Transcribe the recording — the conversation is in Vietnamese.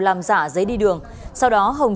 làm giả giấy đi đường sau đó hồng